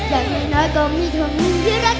อย่างน้อยน้อยก็มีคนมีรัก